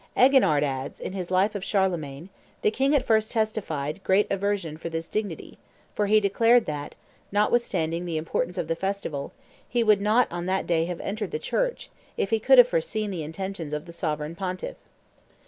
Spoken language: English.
Eginhard adds, in his Life of Charlemagne, "The king at first testified great aversion for this dignity, for he declared that, notwithstanding the importance of the festival, he would not on that day have entered the church, if he could have foreseen the intentions of the sovereign pontiff.